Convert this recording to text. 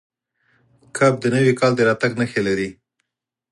کب د نوي کال د راتګ نښې لري.